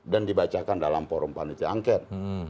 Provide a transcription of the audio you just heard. dan dibacakan dalam forum panitia angket